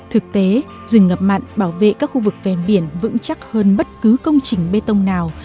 thực tế rừng ngập mặn bảo vệ các khu vực ven biển vững chắc hơn bất cứ công trình bê tông nào